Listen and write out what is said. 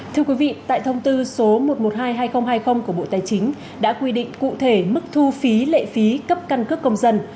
thưa quý vị tại thông tư số một trăm một mươi hai hai nghìn hai mươi của bộ tài chính đã quy định cụ thể mức thu phí lệ phí cấp căn cước công dân